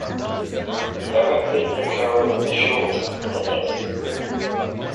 He directed and co-wrote the short, "Headless!